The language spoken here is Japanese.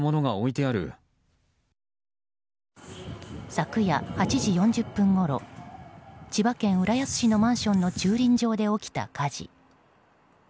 昨夜８時４０分ごろ千葉県浦安市のマンションで駐輪場で起きた火事。